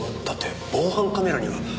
だって防犯カメラには。